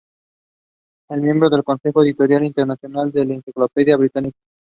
Es miembro del Consejo Editorial Internacional de la Enciclopedia Británica.